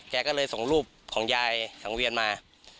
แกก็เลยส่งรูปของยายสังเวียนมา